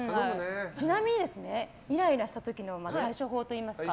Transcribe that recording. ちなみに、イライラした時の対処法といいますか。